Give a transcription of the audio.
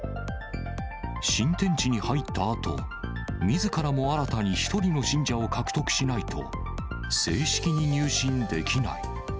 新天地に入ったあと、みずからも新たに１人の信者を獲得しないと、正式に入信できない。